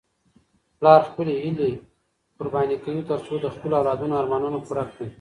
پلار خپلې هیلې قرباني کوي ترڅو د خپلو اولادونو ارمانونه پوره کړي.